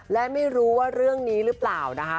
และไม่รู้ว่าเรื่องนี้หรือเปล่านะคะ